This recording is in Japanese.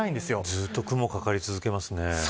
ずっと雲がかかり続けますね。